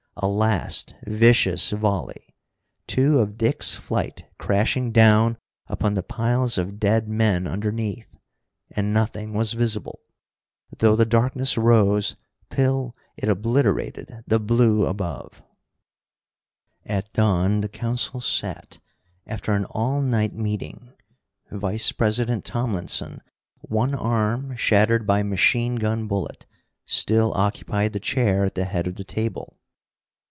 A last vicious volley! Two of Dick's flight crashing down upon the piles of dead men underneath! And nothing was visible, though the darkness rose till it obliterated the blue above. At dawn the Council sat, after an all night meeting. Vice president Tomlinson, one arm shattered by a machine gun bullet, still occupied the chair at the head of the table.